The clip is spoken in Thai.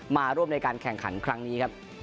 มาร่วมในการแข่งขันครั้งนี้ครับ